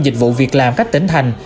dịch vụ việc làm các tỉnh thành